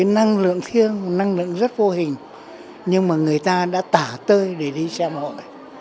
năng lượng thiêng năng lượng rất vô hình nhưng mà người ta đã tả tơi để đi xem họ